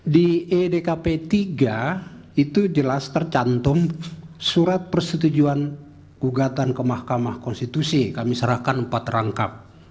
di edkp tiga itu jelas tercantum surat persetujuan gugatan ke mahkamah konstitusi kami serahkan empat rangkap